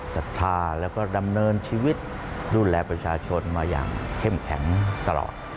ศรัทธาแล้วก็ดำเนินชีวิตดูแลประชาชนมาอย่างเข้มแข็งตลอด